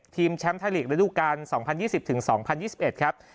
ทีมแชมป์ไทยลีกระดูกการสองพันยี่สิบถึงสองพันยี่สิบเอ็ดครับ